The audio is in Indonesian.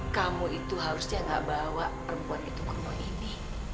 kamu harusnya gak bawa perempuan itu ke rumah ini